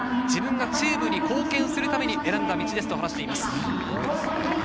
自分がチームに貢献するために選んだ道ですと話しています。